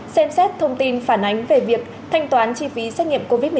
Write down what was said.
xem xét thông tin phản ánh về việc thanh toán chi phí xét nghiệm covid một mươi chín